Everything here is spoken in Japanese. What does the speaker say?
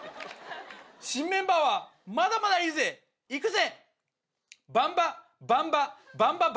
「新メンバーはまだまだいるぜいくぜ！」。